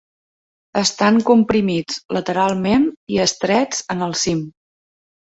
Estan comprimits lateralment i estrets en el cim.